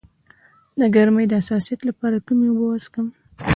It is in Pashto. د ګرمۍ د حساسیت لپاره کومې اوبه وڅښم؟